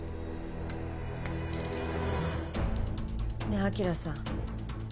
ねえ晶さん